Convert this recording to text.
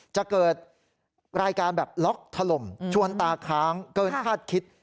จะเกิดรายการแบบล็อกถล่มชวนตาค้างเกินคาดคิด